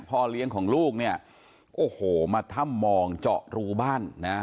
พ่อเลี้ยงของลูกเนี่ยโอ้โหมาถ้ำมองเจาะรูบ้านนะ